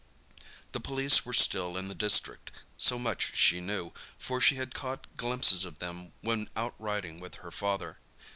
The police were still in the district—so much she knew, for she had caught glimpses of them when out riding with her father.